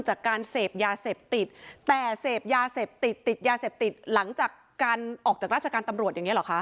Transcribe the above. จากการเซพยาเซพติดออก้อนการออกจากราชกราตำรวจ